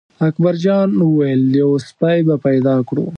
اکبر جان وویل: یو سپی به پیدا کړو.